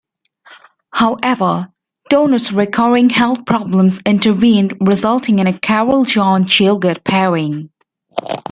However, Donat's recurring health problems intervened, resulting in a Carroll-John Gielgud pairing.